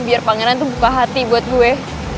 biar pangeran tuh buka hati buat gue